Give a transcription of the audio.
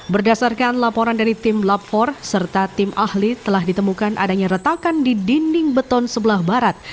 berdasarkan laporan dari tim lab empat serta tim ahli telah ditemukan adanya retakan di dinding beton sebelah barat